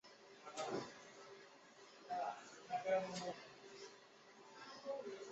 两家银行分别在被卖给私有投资机构后变成了新生银行和蓝天银行重组进了富士银行。